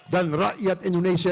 dan rakyat indonesia